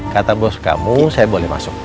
kata bos kamu saya boleh masuk